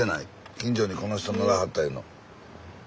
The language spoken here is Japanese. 近所に「この人乗らはった」いうの。